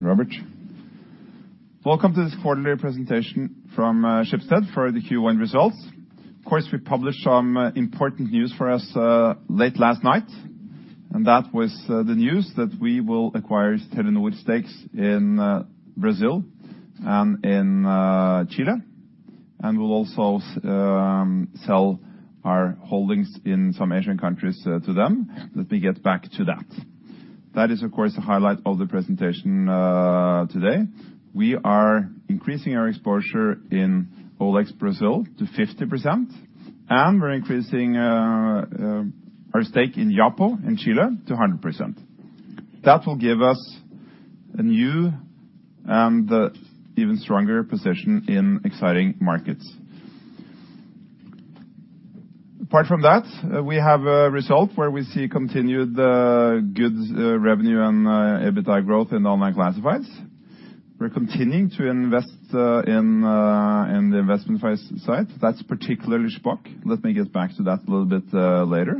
Rolv Erik. Welcome to this quarterly presentation from Schibsted for the Q1 results. Of course, we published some important news for us late last night, and that was the news that we will acquire Telenor stakes in Brazil and in Chile. We'll also sell our holdings in some Asian countries to them. Let me get back to that. That is, of course, the highlight of the presentation today. We are increasing our exposure in OLX Brazil to 50%, and we're increasing our stake in Yapo in Chile to 100%. That will give us a new and even stronger position in exciting markets. Apart from that, we have a result where we see continued good revenue and EBITDA growth in online classifieds. We're continuing to invest in in the investment files site. That's particularly Shpock. Let me get back to that a little bit later.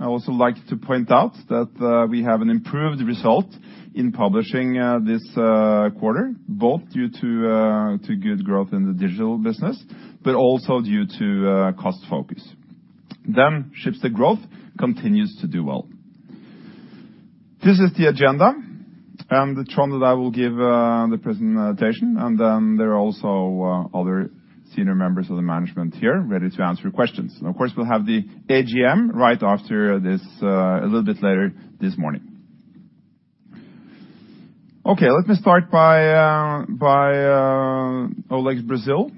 Otherwise, I also like to point out that we have an improved result in publishing this quarter, both due to good growth in the digital business, but also due to cost focus. Schibsted Growth continues to do well. This is the agenda, and the trend that I will give the presentation, and then there are also other senior members of the management here ready to answer your questions. Of course, we'll have the AGM right after this a little bit later this morning. Okay, let me start by OLX Brazil.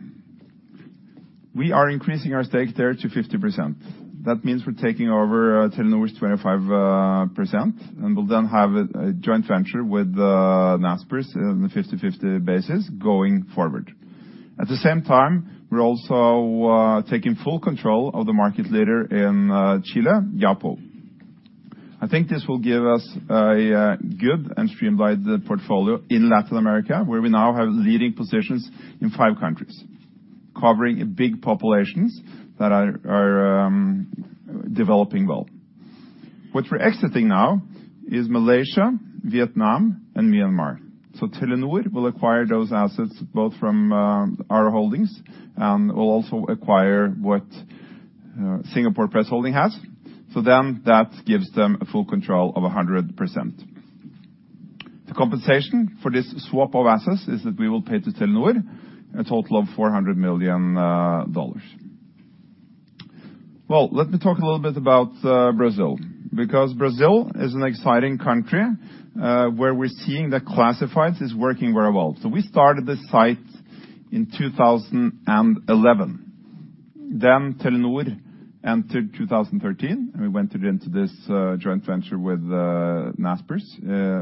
We are increasing our stake there to 50%. That means we're taking over Telenor's 25%, and we'll then have a joint venture with Naspers in a 50/50 basis going forward. At the same time, we're also taking full control of the market leader in Chile, Yapo. I think this will give us a good and streamlined portfolio in Latin America, where we now have leading positions in 5 countries, covering big populations that are developing well. What we're exiting now is Malaysia, Vietnam and Myanmar. Telenor will acquire those assets both from our holdings, and we'll also acquire what Singapore Press Holdings has. That gives them a full control of 100%. The compensation for this swap of assets is that we will pay to Telenor a total of $400 million. Well, let me talk a little bit about Brazil, because Brazil is an exciting country, where we're seeing the classifieds is working very well. We started this site in 2011. Telenor entered 2013, and we went into this joint venture with Naspers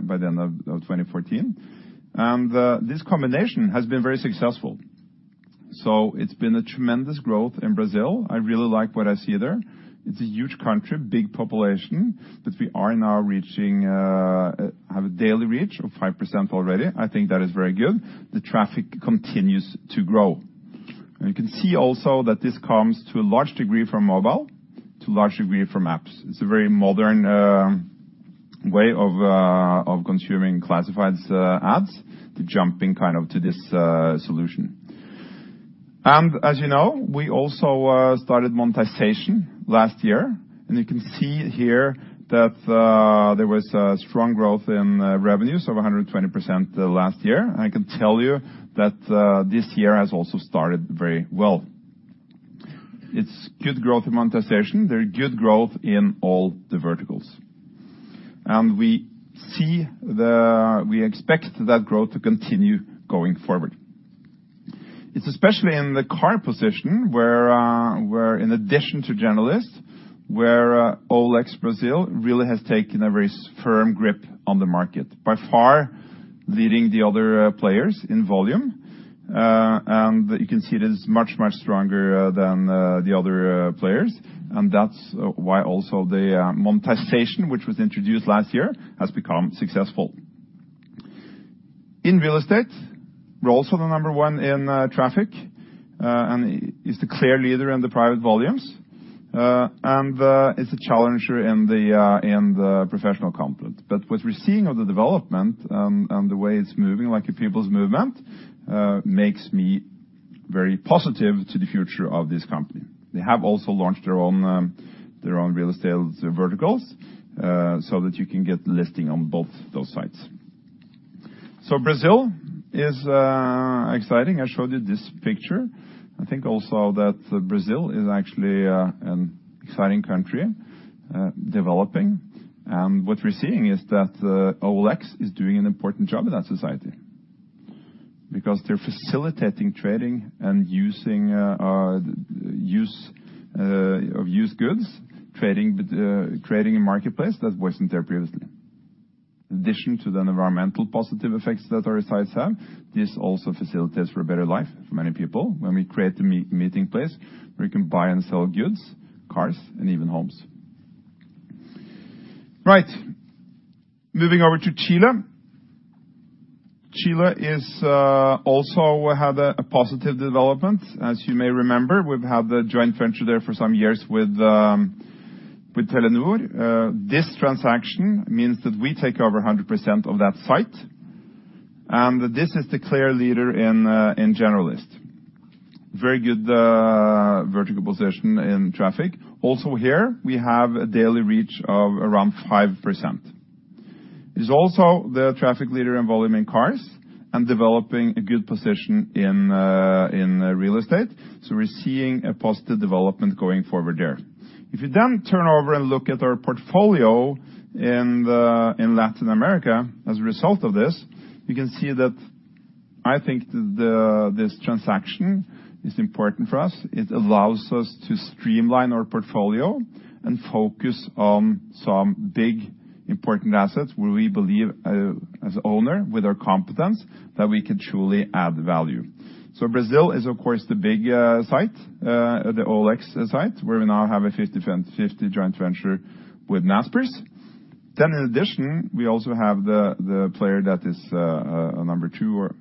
by the end of 2014. This combination has been very successful. It's been a tremendous growth in Brazil. I really like what I see there. It's a huge country, big population, but we are now reaching, have a daily reach of 5% already. I think that is very good. The traffic continues to grow. You can see also that this comes to a large degree from mobile, to a large degree from apps. It's a very modern way of of consuming classifieds ads to jumping kind of to this solution. As you know, we also started monetization last year, and you can see here that there was strong growth in revenues of 120% last year. I can tell you that this year has also started very well. It's good growth in monetization, very good growth in all the verticals. We expect that growth to continue going forward. It's especially in the car position where in addition to generalist, where OLX Brazil really has taken a very firm grip on the market, by far leading the other players in volume. You can see it is much, much stronger than the other players, and that's why also the monetization, which was introduced last year, has become successful. In real estate, we're also the number one in traffic, and is the clear leader in the private volumes. Is a challenger in the professional component. What we're seeing of the development, and the way it's moving, like a people's movement, makes me very positive to the future of this company. They have also launched their own real estate verticals, so that you can get listing on both those sites. Brazil is exciting. I showed you this picture. I think also that Brazil is actually an exciting country, developing. What we're seeing is that OLX is doing an important job in that society because they're facilitating trading and using used goods, trading, creating a marketplace that wasn't there previously. In addition to the environmental positive effects that our sites have, this also facilitates for a better life for many people when we create a meeting place where you can buy and sell goods, cars, and even homes. Right. Moving over to Chile. Chile is also had a positive development. As you may remember, we've had the joint venture there for some years with Telenor. This transaction means that we take over 100% of that site, and this is the clear leader in generalist. Very good vertical position in traffic. Also here, we have a daily reach of around 5%. It's also the traffic leader in volume in cars and developing a good position in real estate. We're seeing a positive development going forward there. If you then turn over and look at our portfolio in Latin America as a result of this, you can see that I think this transaction is important for us. It allows us to streamline our portfolio and focus on some big important assets where we believe as owner with our competence that we can truly add value. Brazil is of course the big site, the OLX site, where we now have a 50/10/50 joint venture with Naspers. In addition, we also have the player that is a number two or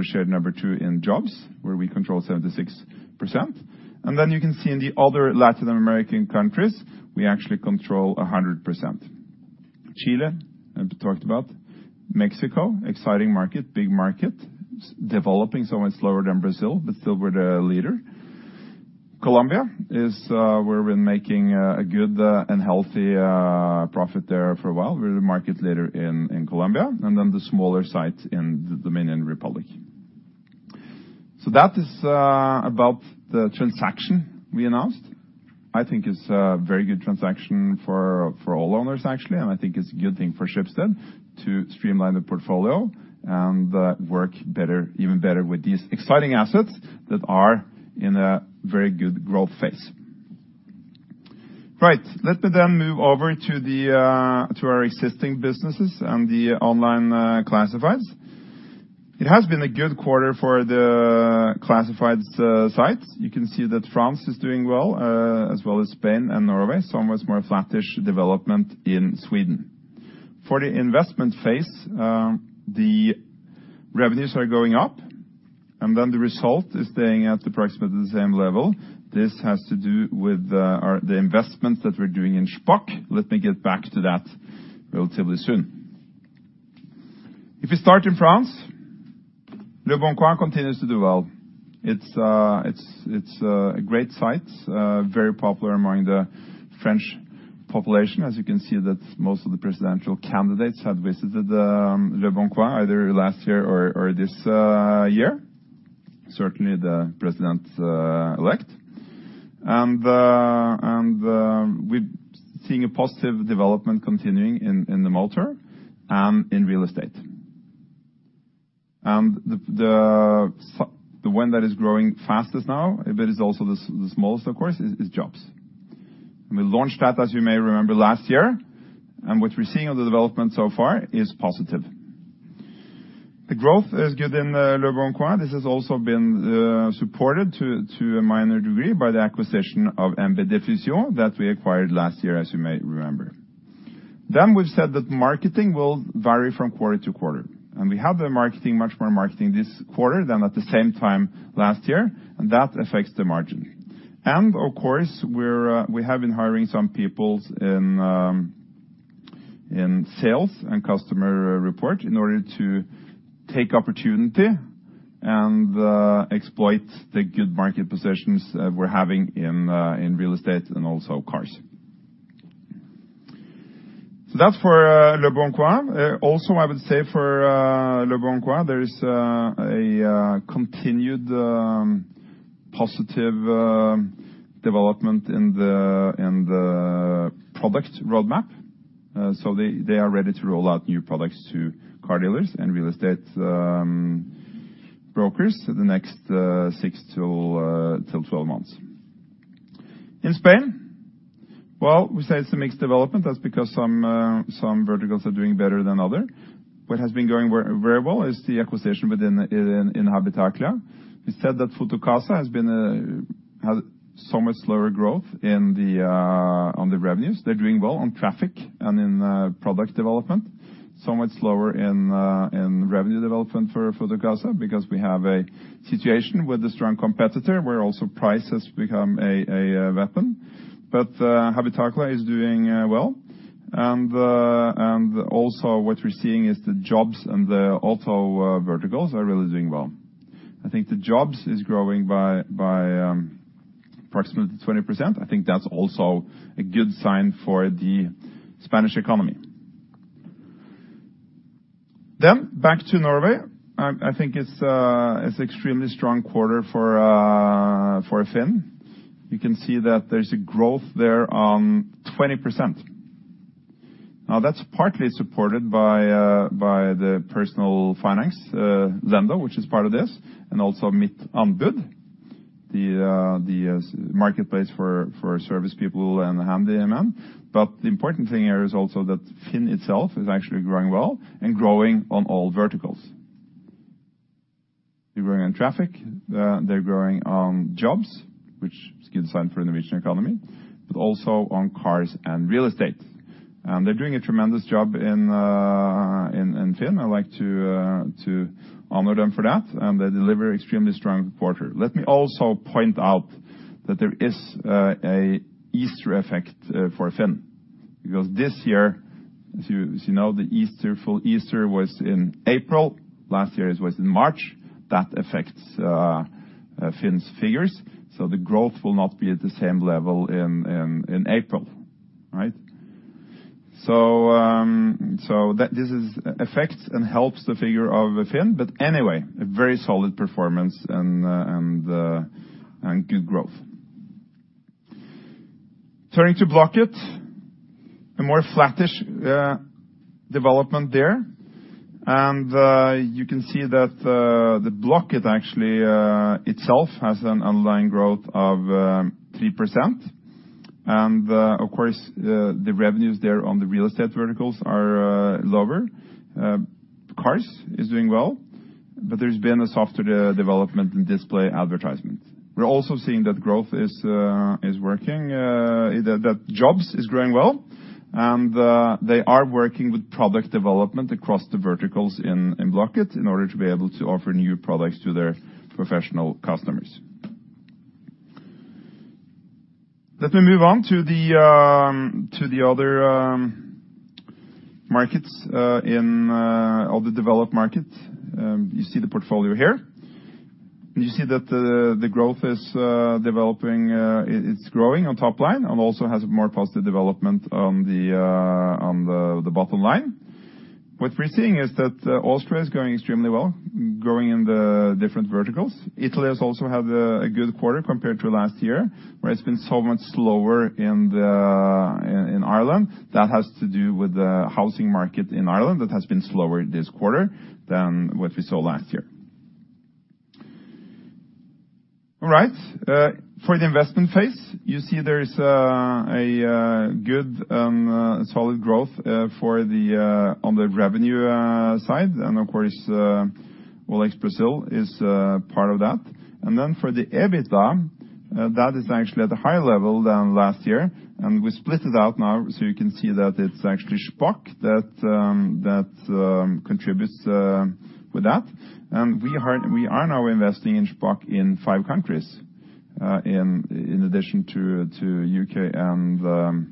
a shared number two in jobs where we control 76%. You can see in the other Latin American countries, we actually control 100%. Chile I've talked about. Mexico, exciting market, big market. Developing so much slower than Brazil, still we're the leader. Colombia is where we're making a good and healthy profit there for a while. We're the market leader in Colombia, and then the smaller sites in Dominican Republic. That is about the transaction we announced. I think it's a very good transaction for all owners actually, and I think it's a good thing for Schibsted to streamline the portfolio and work better, even better with these exciting assets that are in a very good growth phase. Right. Let me move over to the to our existing businesses and the online classifieds. It has been a good quarter for the classifieds sites. You can see that France is doing well, as well as Spain and Norway. Much more flattish development in Sweden. For the investment phase, the revenues are going up, and then the result is staying at approximately the same level. This has to do with the investments that we're doing in Shpock. Let me get back to that relatively soon. If you start in France, leboncoin continues to do well. It's a great site, very popular among the French population. As you can see that most of the presidential candidates have visited leboncoin either last year or this year. Certainly the president elect. We're seeing a positive development continuing in the motor, in real estate. The one that is growing fastest now, but is also the smallest of course is jobs. We launched that, as you may remember, last year. What we're seeing of the development so far is positive. The growth is good in leboncoin. This has also been supported to a minor degree by the acquisition of MB Diffusion that we acquired last year, as you may remember. We've said that marketing will vary from quarter to quarter. We have been marketing much more marketing this quarter than at the same time last year. That affects the margin. Of course, we're, we have been hiring some people in sales and customer report in order to take opportunity and exploit the good market positions we're having in real estate and also cars. That's for Leboncoin. Also I would say for Leboncoin, there is a continued positive development in the product roadmap. They are ready to roll out new products to car dealers and real estate brokers in the next 6-12 months. In Spain, well, we say it's a mixed development. That's because some verticals are doing better than other. What has been going very, very well is the acquisition within Habitaclia. We said that Fotocasa has been had so much slower growth in the on the revenues. They're doing well on traffic and in product development. Much slower in in revenue development for Fotocasa because we have a situation with a strong competitor where also price has become a weapon. Habitaclia is doing well. Also what we're seeing is the jobs and the auto verticals are really doing well. I think the jobs is growing by approximately 20%. I think that's also a good sign for the Spanish economy. Back to Norway. I think it's it's extremely strong quarter for for FINN. You can see that there's a growth there on 20%. That's partly supported by the personal finance Lendo, which is part of this, and also Mittanbud, the marketplace for service people and Handy Mann. The important thing here is also that FINN itself is actually growing well and growing on all verticals. They're growing on traffic, they're growing on jobs, which is a good sign for the Norwegian economy, but also on cars and real estate. They're doing a tremendous job in FINN. I'd like to honor them for that, and they deliver extremely strong quarter. Let me also point out that there is a Easter effect for FINN, because this year, as you know, the Easter, full Easter was in April. Last year, it was in March. That affects FINN's figures, so the growth will not be at the same level in April, right? This affects and helps the figure of FINN. Anyway, a very solid performance and good growth. Turning to Blocket, a more flattish development there. You can see that the Blocket actually itself has an online growth of 3%. Of course, the revenues there on the real estate verticals are lower. Cars is doing well, but there's been a softer development in display advertisements. We're also seeing that growth is working, that jobs is growing well and they are working with product development across the verticals in Blocket in order to be able to offer new products to their professional customers. Let me move on to the other markets in all the developed markets. You see the portfolio here. You see that the growth is developing, it's growing on top line and also has more positive development on the bottom line. What we're seeing is that Austria is growing extremely well, growing in the different verticals. Italy has also had a good quarter compared to last year, where it's been so much slower in Ireland. That has to do with the housing market in Ireland that has been slower this quarter than what we saw last year. All right. For the investment phase, you see there's a good solid growth for the on the revenue side, and of course, OLX Brazil is part of that. For the EBITDA, that is actually at a higher level than last year, and we split it out now so you can see that it's actually Shpock that contributes with that. We are now investing in Shpock in five countries in addition to UK and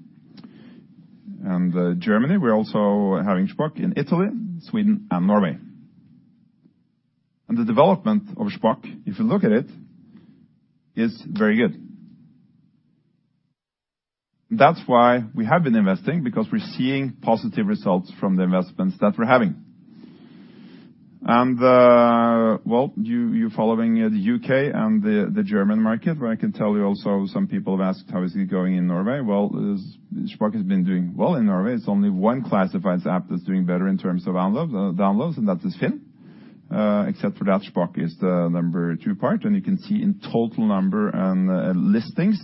Germany. We're also having Shpock in Italy, Sweden and Norway. The development of Shpock, if you look at it, is very good. That's why we have been investing, because we're seeing positive results from the investments that we're having. Well, you're following the UK and the German market, where I can tell you also some people have asked, how is it going in Norway? Well, Shpock has been doing well in Norway. It's only one classifieds app that's doing better in terms of download, downloads, and that is Finn. Except for that, Shpock is the number two part, and you can see in total number and listings,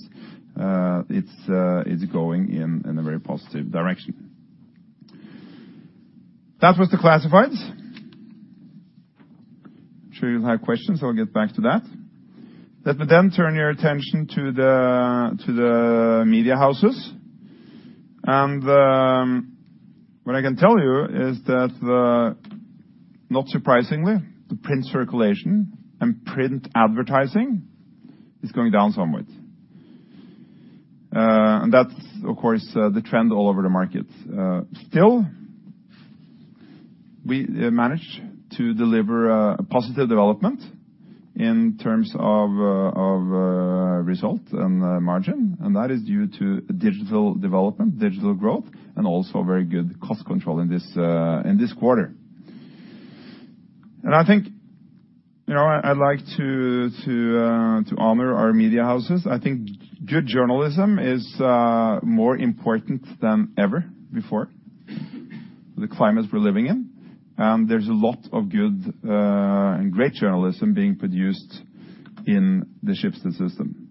it's going in a very positive direction. That was the classifieds. I'm sure you'll have questions. I'll get back to that. Let me turn your attention to the media houses. What I can tell you is that the, not surprisingly, the print circulation and print advertising is going down somewhat. That's of course, the trend all over the market. Still, we managed to deliver a positive development in terms of result and margin. That is due to digital development, digital growth, and also very good cost control in this quarter. I think, you know, I'd like to honor our media houses. I think good journalism is more important than ever before, the climate we're living in. There's a lot of good and great journalism being produced in the Schibsted system.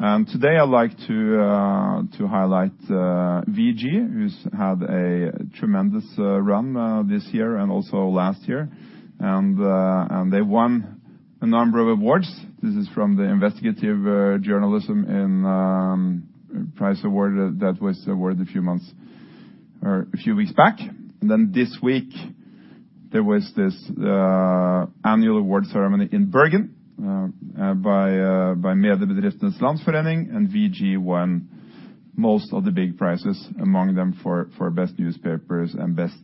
Today I'd like to highlight VG, who's had a tremendous run this year and also last year. They won a number of awards. This is from the investigative journalism in prize award that was awarded a few months or a few weeks back. This week, there was this annual award ceremony in Bergen, by Mediebedriftenes Landsforening, and VG won most of the big prizes, among them for best newspapers and best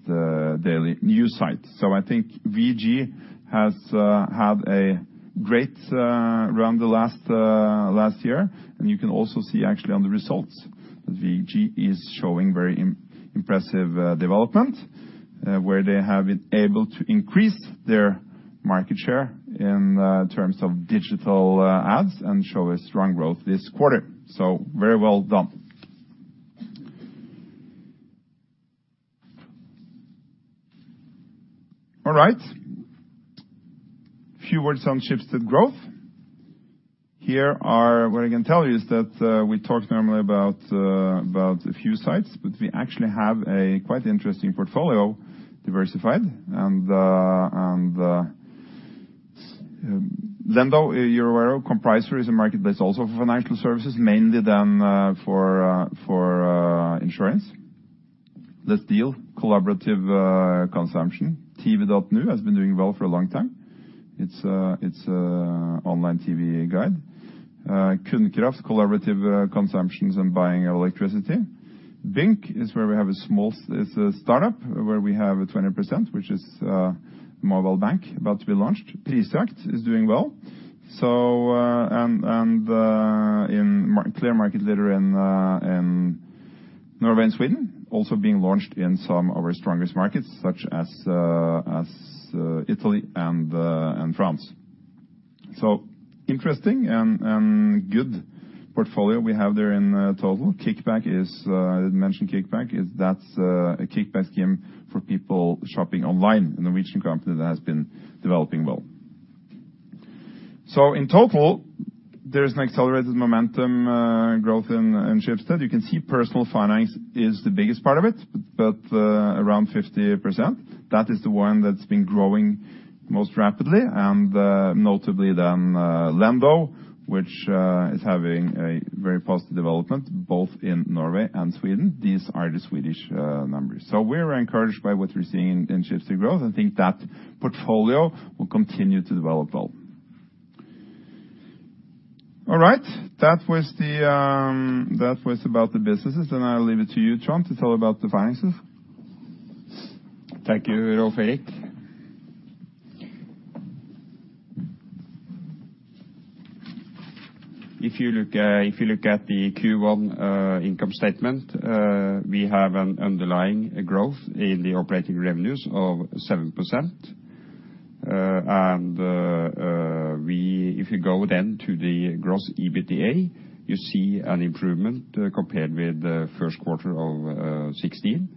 daily news site. I think VG has had a great run the last year. You can also see actually on the results that VG is showing very impressive development, where they have been able to increase their market share in terms of digital ads and show a strong growth this quarter. Very well done. All right. A few words on Schibsted Growth. Here are, what I can tell you is that we talked normally about a few sites, we actually have a quite interesting portfolio diversified. Lendo, you're aware of, Compricer is a marketplace also for financial services, mainly then for insurance. Let's Deal, collaborative consumption. tv.nu has been doing well for a long time. It's a online TV guide. Kundkraft's collaborative consumptions in buying electricity. Bink is where we have a startup where we have 20%, which is a mobile bank about to be launched. Prisjakt is doing well. And clear market leader in Norway and Sweden, also being launched in some of our strongest markets, such as Italy and France. Interesting and good portfolio we have there in total. KickBack is, I didn't mention KickBack, is that's a kickback scheme for people shopping online, a Norwegian company that has been developing well. In total, there's an accelerated momentum growth in Schibsted. You can see personal finance is the biggest part of it, around 50%. That is the one that's been growing most rapidly, notably Lendo, which is having a very positive development both in Norway and Sweden. These are the Swedish numbers. We're encouraged by what we're seeing in Schibsted Growth. I think that portfolio will continue to develop well. All right. That was about the businesses. I'll leave it to you, Trond, to tell about the finances. Thank you, Rolv Erik. If you look at the Q1 income statement, we have an underlying growth in the operating revenues of 7%. We, if you go then to the gross EBITDA, you see an improvement compared with the first quarter of 2016.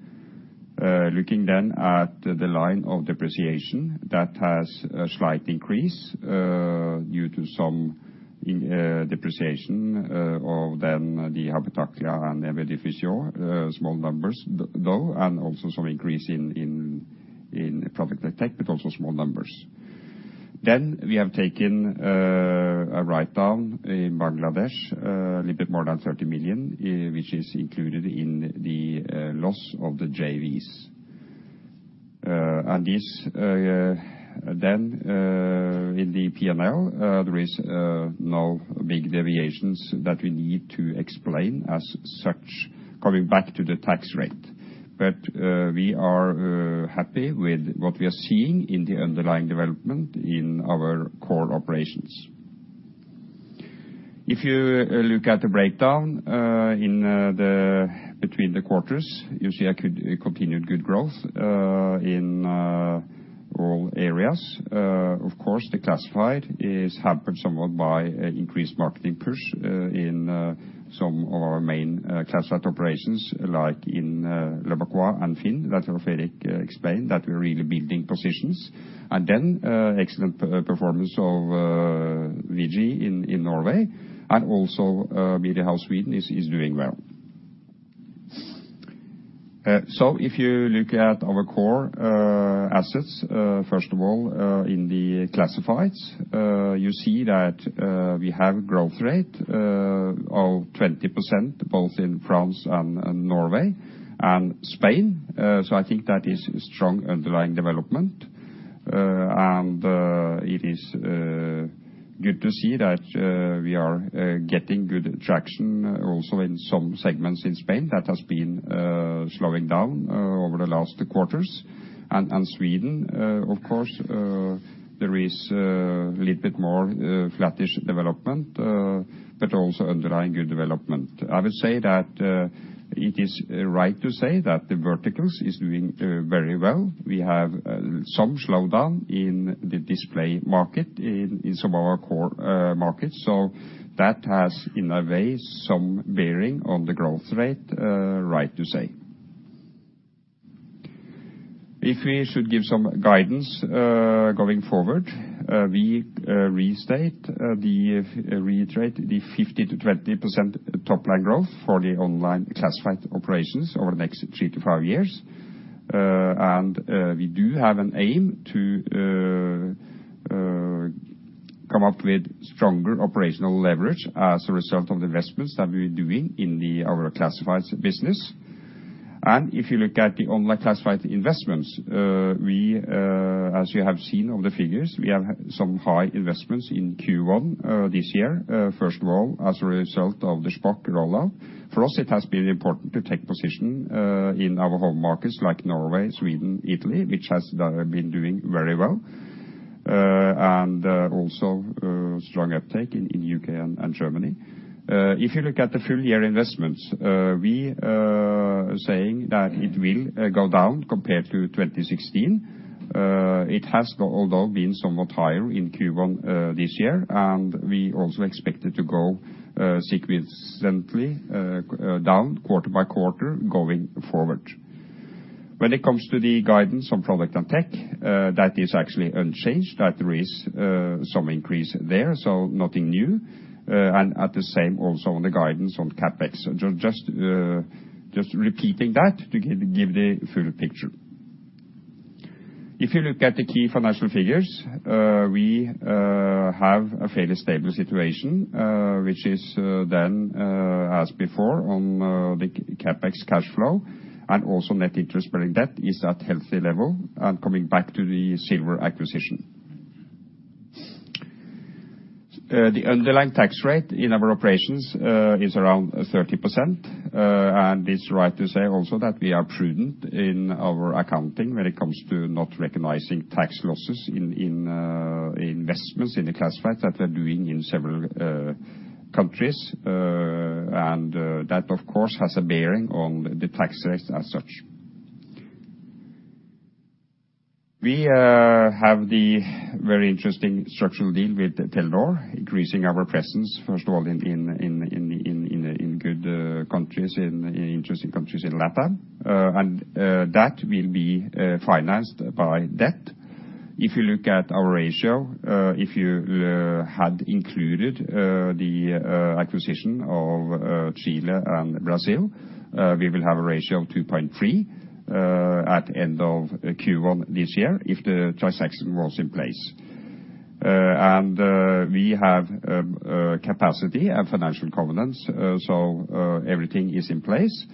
Looking then at the line of depreciation, that has a slight increase due to some depreciation of then the Avingaklia and Medifisio, small numbers though, and also some increase in product tech, but also small numbers. We have taken a write-down in Bangladesh, a little bit more than 30 million, which is included in the loss of the JVs. This then in the P&L, there is no big deviations that we need to explain as such, coming back to the tax rate. We are happy with what we are seeing in the underlying development in our core operations. If you look at the breakdown in between the quarters, you see a continued good growth in all areas. Of course, the classified is hampered somewhat by an increased marketing push in some of our main classified operations, like in leboncoin and FINN, that Rolv Erik explained, that we're really building positions. Excellent performance of VG in Norway and also Media House Sweden doing well. If you look at our core assets, first of all, in the classifieds, you see that we have growth rate of 20%, both in France and Norway and Spain. I think that is a strong underlying development. It is good to see that we are getting good traction also in some segments in Spain that has been slowing down over the last quarters. Sweden, of course, there is a little bit more flattish development, but also underlying good development. I would say that it is right to say that the verticals is doing very well. We have some slowdown in the display market in some of our core markets. That has, in a way, some bearing on the growth rate, right to say. If we should give some guidance, going forward, we restate, the, reiterate the 50-20% top line growth for the online classified operations over the next 3-5 years. We do have an aim to come up with stronger operational leverage as a result of the investments that we're doing in our classifieds business. If you look at the online classified investments, we, as you have seen on the figures, we have some high investments in Q1 this year, first of all, as a result of the Shpock rollout. For us, it has been important to take position in our home markets like Norway, Sweden, Italy, which has been doing very well. Also strong uptake in UK and Germany. If you look at the full-year investments, we saying that it will go down compared to 2016. It has though, although, been somewhat higher in Q1 this year. We also expect it to go sequentially down quarter by quarter going forward. When it comes to the guidance on product and tech, that is actually unchanged. That there is some increase there, so nothing new. At the same also on the guidance on CapEx. Just repeating that to give the full picture. If you look at the key financial figures, we have a fairly stable situation, which is then as before on the CapEx cash flow, and also net interest-bearing debt is at healthy level and coming back to the silver acquisition. The underlying tax rate in our operations is around 30%. It's right to say also that we are prudent in our accounting when it comes to not recognizing tax losses in investments in the classified that we're doing in several countries, and that, of course, has a bearing on the tax rates as such. We have the very interesting structural deal with Telenor, increasing our presence, first of all, in good countries, in interesting countries in LatAm, and that will be financed by debt. If you look at our ratio, if you had included the acquisition of Chile and Brazil, we will have a ratio of 2.3 at end of Q1 this year if the transaction was in place. We have capacity and financial covenants, so everything is in place.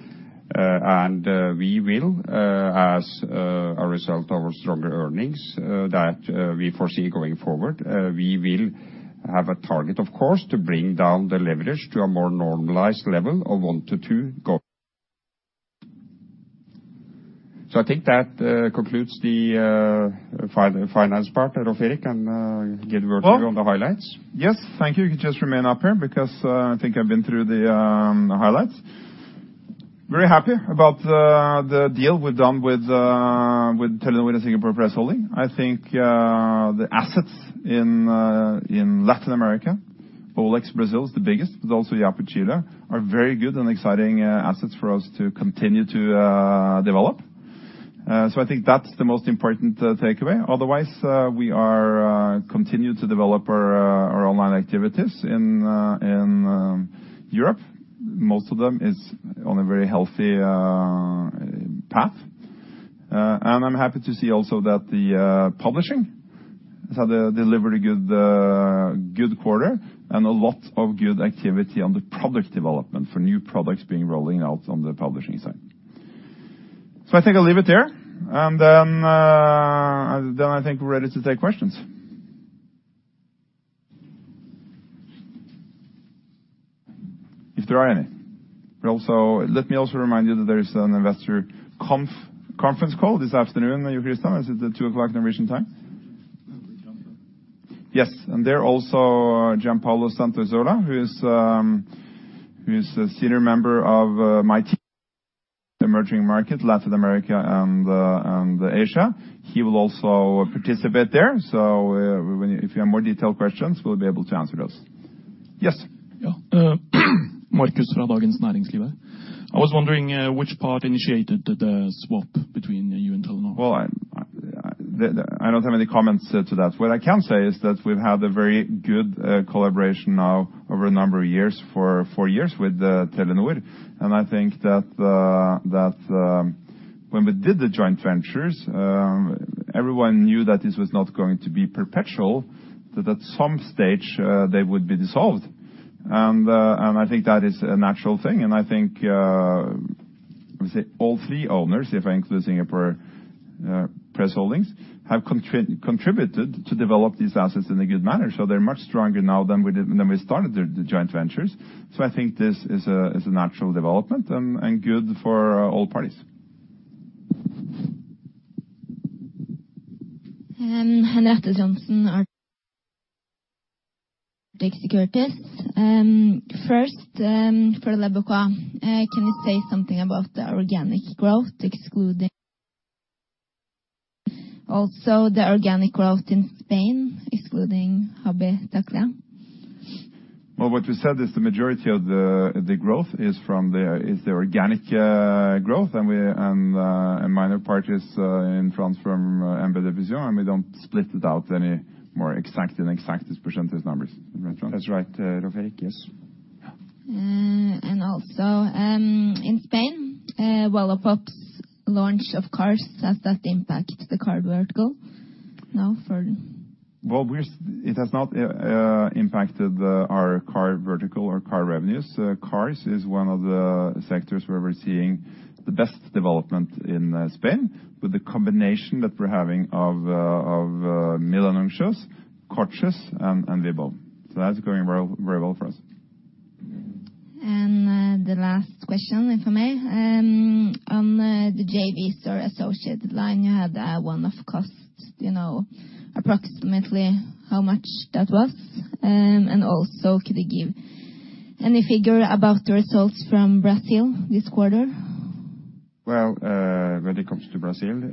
We will, as a result of our stronger earnings that we foresee going forward, we will have a target, of course, to bring down the leverage to a more normalized level of 1 to 2 going. I think that concludes the finance part, Rolve Erik, and give over to you on the highlights. Yes. Thank you. You can just remain up here because I think I've been through the highlights. Very happy about the deal we've done with Telenor and Singapore Press Holdings. I think the assets in Latin America, OLX Brazil is the biggest, but also Yapo Chile are very good and exciting assets for us to continue to develop. I think that's the most important takeaway. Otherwise, we are continue to develop our online activities in Europe. Most of them is on a very healthy path. I'm happy to see also that the publishing has delivered a good good quarter and a lot of good activity on the product development for new products being rolling out on the publishing side. I think I'll leave it there. I think we're ready to take questions. If there are any. Also, let me also remind you that there is an investor conference call this afternoon, Joakim. Is it the 2:00 P.M. Norwegian time? Yes. There also, Gianpaolo Santorsola, who is a senior member of my team Emerging Markets, Latin America and Asia. He will also participate there. If you have more detailed questions, we'll be able to answer those. Yes. Marcus from Dagens Næringsliv. I was wondering which part initiated the swap between you and Telenor? Well, I don't have any comments to that. What I can say is that we've had a very good collaboration now over a number of years, for 4 years with Telenor. I think that when we did the joint ventures, everyone knew that this was not going to be perpetual, that at some stage, they would be dissolved. I think that is a natural thing. I think all three owners, if including Singapore Press Holdings, have contributed to develop these assets in a good manner. They're much stronger now than we did when we started the joint ventures. I think this is a natural development and good for all parties. Henriette Trondsen, Arctic Securities. First, for Lebara, can you say something about the organic growth excluding... Also the organic growth in Spain, excluding Habitaclia, thanks? Well, what we said is the majority of the growth is from the organic growth and minor parties in France from MBD Vision, and we don't split it out any more exact as percentage numbers. Am I right, Røkke? That's right, Henriette. Yes. Yeah. In Spain, Wallapop's launch of cars, has that impacted the car vertical now? Well, It has not impacted the, our car vertical or car revenues. cars is one of the sectors where we're seeing the best development in, Spain with the combination that we're having of, Milanuncios, Coches and Vibbo. that's going very, very well for us. The last question, if I may. On the JV store associated line, you had a one-off cost. Do you know approximately how much that was? And also, could you give any figure about the results from Brazil this quarter? When it comes to Brazil,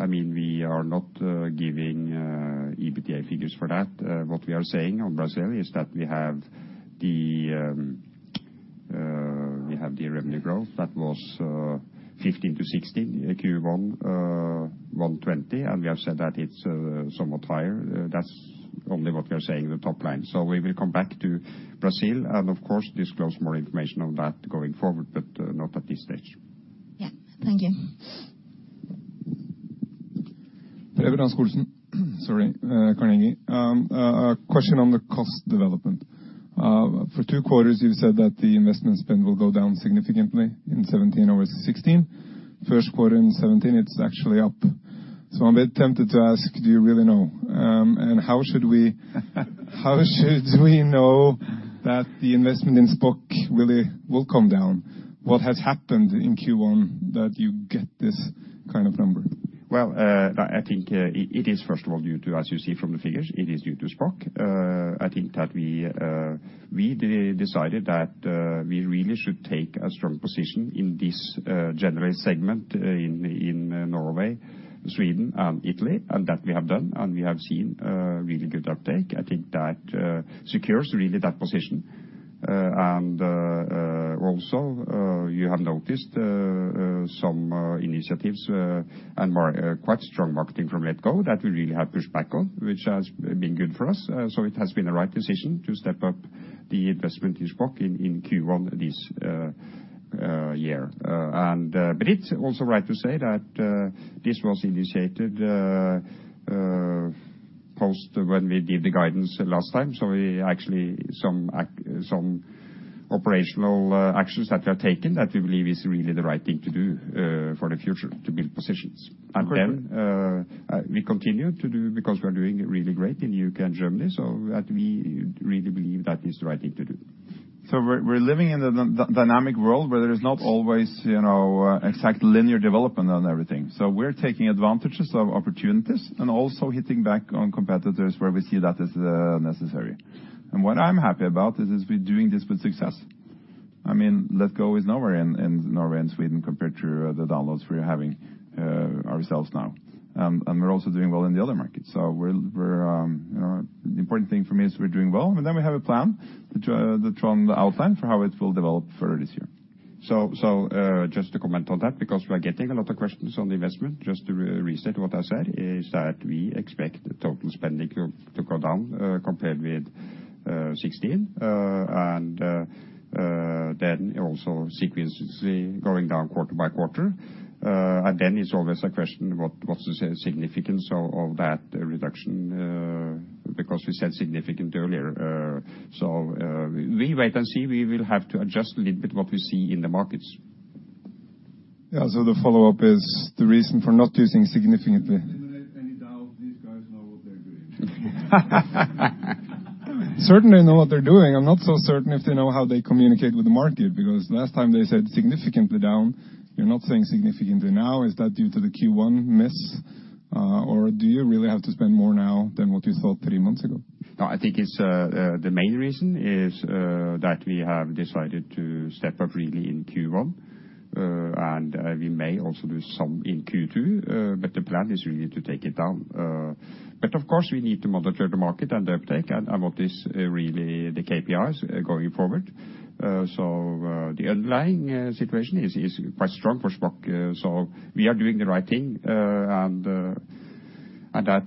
I mean, we are not giving EBITDA figures for that. What we are saying on Brazil is that we have the revenue growth that was 15%-16% Q1. 120%, and we have said that it's somewhat higher. That's only what we are saying, the top line. We will come back to Brazil and of course disclose more information on that going forward, but not at this stage. Yeah. Thank you. Sorry, Carnegie. A question on the cost development. For 2 quarters, you've said that the investment spend will go down significantly in 2017 over 2016. First quarter in 2017, it's actually up. I'm a bit tempted to ask: Do you really know? How should we know that the investment in Shpock really will come down? What has happened in Q1 that you get this kind of number? Well, I think it is first of all due to, as you see from the figures, it is due to Shpock. I think that we decided that we really should take a strong position in this general segment in Norway, Sweden, and Italy, and that we have done, and we have seen really good uptake. I think that secures really that position. Also, you have noticed some initiatives, and more quite strong marketing from letgo that we really have pushed back on, which has been good for us. It has been the right decision to step up the investment in Shpock in Q1 this year. It's also right to say that this was initiated post when we did the guidance last time. We actually some operational actions that we have taken that we believe is really the right thing to do for the future to build positions. Then, we continue to do because we're doing really great in UK and Germany. That we really believe that is the right thing to do. We're living in a dynamic world where there is not always, you know, exact linear development on everything. We're taking advantages of opportunities and also hitting back on competitors where we see that as necessary. What I'm happy about is we're doing this with success. I mean, letgo is nowhere in Norway and Sweden compared to the downloads we're having ourselves now. We're also doing well in the other markets. You know, the important thing for me is we're doing well, and then we have a plan to outline for how it will develop further this year. Just to comment on that, because we are getting a lot of questions on the investment. Just to re-reset what I said, is that we expect the total spending to go down, compared with 2016. Then also sequentially going down quarter by quarter. Then it's always a question, what's the significance of that reduction? We said significant earlier. We wait and see. We will have to adjust a little bit what we see in the markets. Yeah. The follow-up is the reason for not using significantly- Eliminate any doubt, these guys know what they're doing. Certain they know what they're doing. I'm not so certain if they know how they communicate with the market, because last time they said significantly down. You're not saying significantly now. Is that due to the Q1 miss, or do you really have to spend more now than what you thought three months ago? No, I think it's the main reason is that we have decided to step up really in Q1. We may also do some in Q2, but the plan is really to take it down. Of course, we need to monitor the market and the uptake and what is really the KPIs going forward. The underlying situation is quite strong for Shpock, so we are doing the right thing. That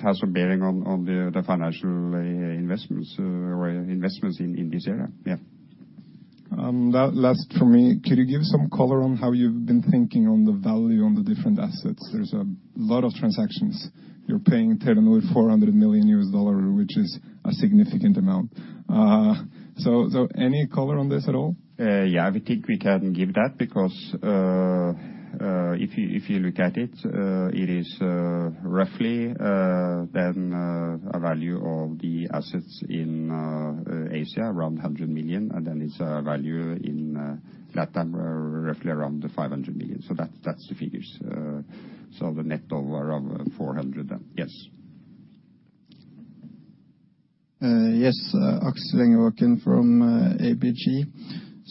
has a bearing on the financial investments, or investments in this area. Yeah. Last for me. Could you give some color on how you've been thinking on the value on the different assets? There's a lot of transactions. You're paying 1,000, $400 million, which is a significant amount. So any color on this at all? I think we can give that because, if you look at it is roughly then a value of the assets in Asia, around 100 million, and then it's a value in LATAM, roughly around 500 million. That's the figures. The net of around 400 million then. Yes. Yes. Aksel Engebakken from ABG.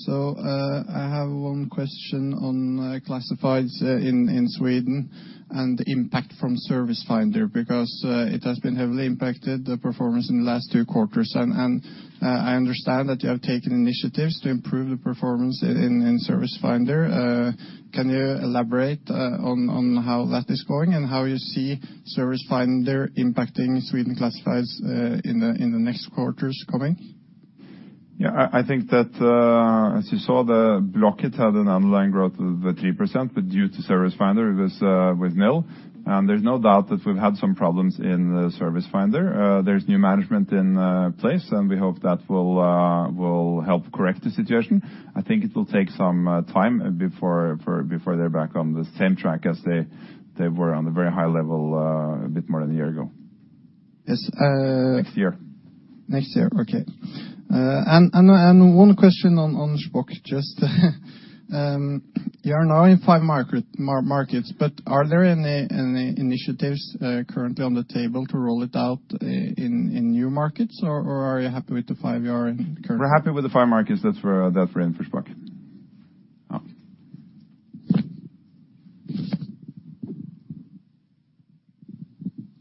I have one question on classifieds in Sweden and impact from Servicefinder, because it has been heavily impacted the performance in the last two quarters. I understand that you have taken initiatives to improve the performance in Servicefinder. Can you elaborate on how that is going and how you see Servicefinder impacting Sweden classifieds in the next quarters coming? Yeah. I think that, as you saw the Blocket had an underlying growth of 3%, but due to Servicefinder, it was nil. There's no doubt that we've had some problems in the Servicefinder. There's new management in place, and we hope that will help correct the situation. I think it will take some time before they're back on the same track as they were on the very high level a bit more than a year ago. Yes. Next year. Next year, okay. One question on Shpock. Just, you are now in 5 markets, but are there any initiatives currently on the table to roll it out in new markets or are you happy with the 5 you are in currently? We're happy with the five markets. That's for in Shpock. Oh.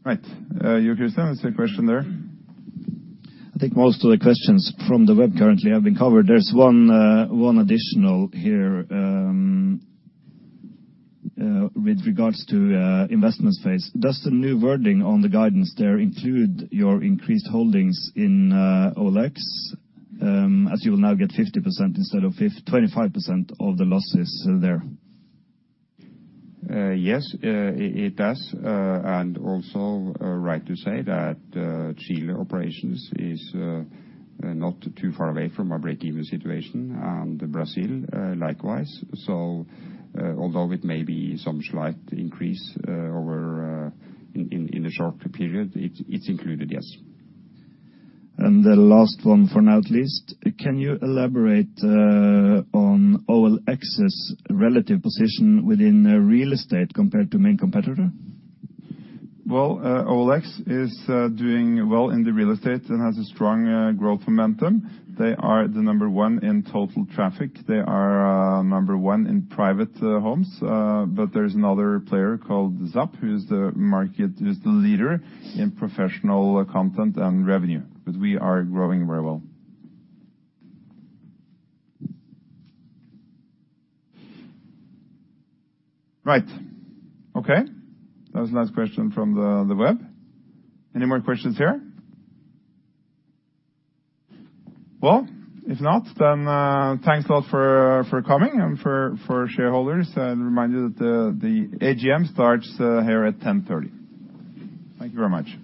Right. Joakim Stamets, a question there. I think most of the questions from the web currently have been covered. There's one additional here with regards to investment phase. Does the new wording on the guidance there include your increased holdings in OLX, as you will now get 50% instead of 25% of the losses there? Yes. It does. And also, right to say that Chile operations is not too far away from a break-even situation, and Brazil likewise. Although it may be some slight increase over in the short period, it's included, yes. The last one for now at least. Can you elaborate on OLX's relative position within real estate compared to main competitor? Well, OLX is doing well in the real estate and has a strong growth momentum. They are the number 1 in total traffic. They are the number 1 in private homes. There's another player called ZAP, who is the leader in professional content and revenue. We are growing very well. Right. Okay. That was the last question from the web. Any more questions here? Well, if not, then thanks a lot for coming and for shareholders. I'll remind you that the AGM starts here at 10:30 A.M. Thank you very much.